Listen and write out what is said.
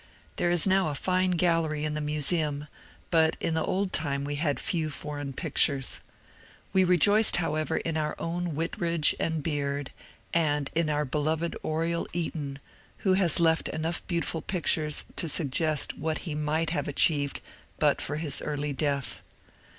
There is now a fine gallery in the museum, but in the old time we had few foreign pictures ; we rejoiced, however, in our own Whitridge and Beard, and in our beloved Oriel Eaton, who has left enough beautiful pictures to suggest what he might have achieved but for his early death.